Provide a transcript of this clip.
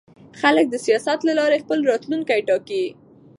خلک د سیاست له لارې خپل راتلونکی ټاکي